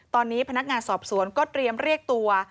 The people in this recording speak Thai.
ตอนนี้พนักงานสอบสวนก็เตรียมเรียกตัว